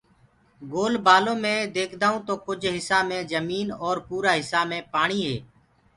گول بآلو مي ديکدآئونٚ تو ڪجھ هِسآ مي جميٚني اور پورآ هِسآ مي پآڻيٚ هي